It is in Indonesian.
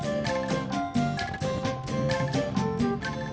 jerayang jerayang jerayang